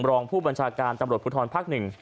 รองผู้บัญชาการตำรวจภูทรภักดิ์๑